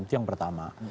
itu yang pertama